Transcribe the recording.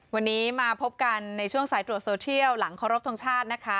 วันนี้มาพบกันในช่วงสายตรวจโซเทียลหลังเคารพทงชาตินะคะ